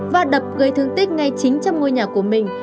và đập gây thương tích ngay chính trong ngôi nhà của mình